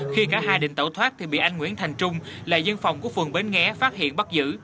khi cả hai định tẩu thoát thì bị anh nguyễn thành trung là dân phòng của phường bến nghé phát hiện bắt giữ